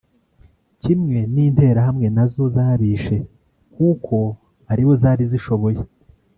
Kimwe n’interahamwe nazo zabishe kuko aribo zari zishoboye